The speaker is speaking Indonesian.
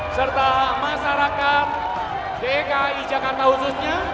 serta masyarakat dki jakarta khususnya